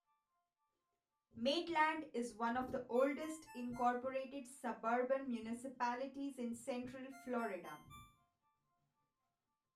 Maitland is one of the oldest incorporated suburban municipalities in central Florida.